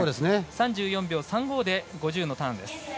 ３４秒３５で５０のターンです。